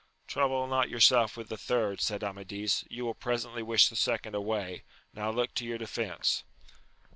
Trouble not yourself about the third, said Amadis, you will presently wish the second away : now look to your defence